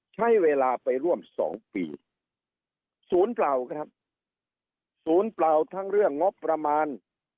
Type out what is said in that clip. ใช้เวลาไปร่วมสองปีศูนย์เปล่าครับศูนย์เปล่าทั้งเรื่องงบประมาณ